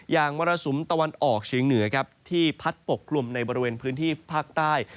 มรสุมตะวันออกเฉียงเหนือครับที่พัดปกกลุ่มในบริเวณพื้นที่ภาคใต้